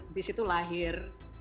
di situ lahir